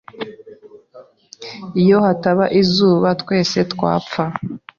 Iyo hataba izuba, twese twapfa.